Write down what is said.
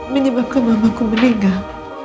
menyebabkan mamahku meninggal